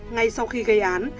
ngay sau khi gây án